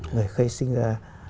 người khai sinh ra